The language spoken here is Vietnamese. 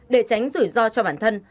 để tránh rủi ro cho bản thân